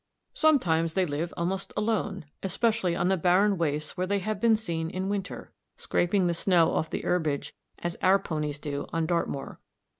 Sometimes they live almost alone, especially on the barren wastes where they have been seen in winter, scraping the snow off the herbage as our ponies do on Dartmoor.